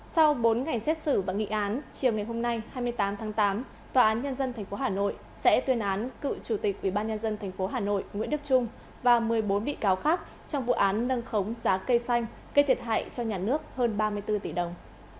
sau bốn ngày xét xử và nghị án chiều ngày hôm nay hai mươi tám tháng tám tòa án nhân dân tp hà nội sẽ tuyên án cựu chủ tịch ubnd tp hà nội nguyễn đức trung và một mươi bốn bị cáo khác trong vụ án nâng khống giá cây xanh gây thiệt hại cho nhà nước hơn ba mươi bốn tỷ đồng